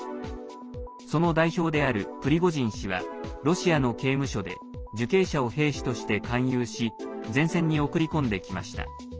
その代表であるプリゴジン氏はロシアの刑務所で受刑者を兵士として勧誘し前線に送り込んできました。